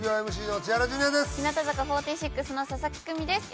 日向坂４６の佐々木久美です。